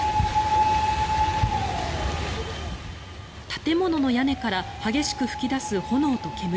建物の屋根から激しく噴き出す炎と煙。